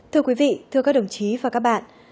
thưa quý vị thưa các đồng chí và các bạn